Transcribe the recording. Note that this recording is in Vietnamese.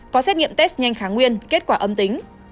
có xét nghiệm test nhanh kháng nguyên kết quả âm tính